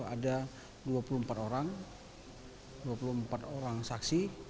ada dua puluh empat orang dua puluh empat orang saksi